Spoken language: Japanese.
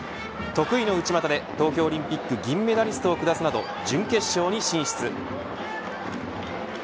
得意の内股で東京オリンピックメダリストを下すなど準決勝に進出。